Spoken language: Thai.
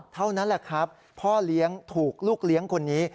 เท่านั้นแหละครับพ่อเลี้ยงถูกลูกเลี้ยงคนนี้